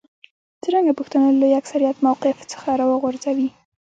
څرنګه پښتانه له لوی اکثریت موقف څخه راوغورځوي.